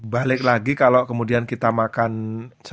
balik lagi kalau kemudian kita makan satwa laut itu ikan dampaknya ke kita juga ya